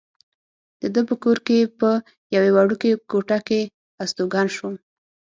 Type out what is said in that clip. د ده په کور کې په یوې وړوکې کوټه کې استوګن شوم.